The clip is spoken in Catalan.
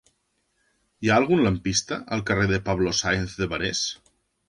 Hi ha algun lampista al carrer de Pablo Sáenz de Barés?